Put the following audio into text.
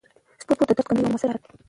سپورت د درد کمولو یوه موثره لاره ده.